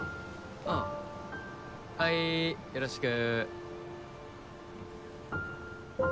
うんはいよろしく。